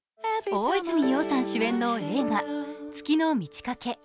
大泉洋さん主演の映画「月の満ち欠け」。